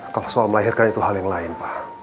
kalau soal melahirkan itu hal yang lain pak